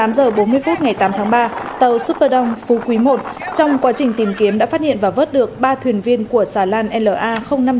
vào lúc một mươi tám h bốn mươi phút ngày tám tháng ba tàu superdong phú quý i trong quá trình tìm kiếm đã phát hiện và vớt được ba thuyền viên của xà lan la năm nghìn chín trăm hai mươi hai